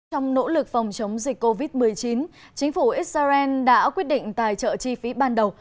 trong nỗ lực phòng chống dịch covid một mươi chín chính phủ israel đã quyết định tài trợ chi phí ban đầu